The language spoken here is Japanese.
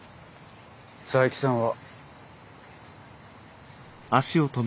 佐伯さんは。